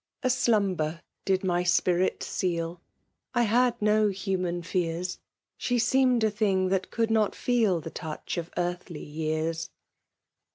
A slumber did my spirit seal, I had no human fears ; She seemed a thing that could not feel The touch of earthly years.